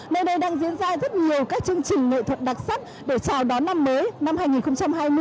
nơi đây đang diễn ra rất nhiều các chương trình nghệ thuật đặc sắc để chào đón năm mới năm hai nghìn hai mươi